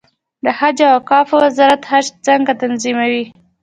د حج او اوقافو وزارت حج څنګه تنظیموي؟